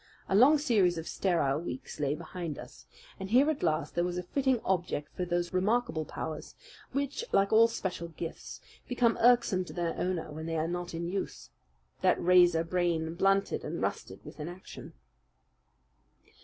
A long series of sterile weeks lay behind us, and here at last there was a fitting object for those remarkable powers which, like all special gifts, become irksome to their owner when they are not in use. That razor brain blunted and rusted with inaction.